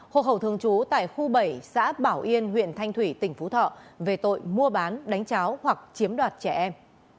hộ khẩu thường trú tại khu bảy xã bảo yên huyện thanh thủy tỉnh phú thọ về tội mua bán đánh cháo hoặc chiếm đoạt trẻ em